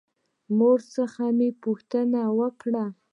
له مور څخه مې پوښتنه وکړه.